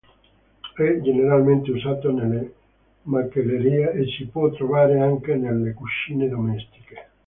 È generalmente usato nelle macellerie e si può trovare anche nelle cucine domestiche.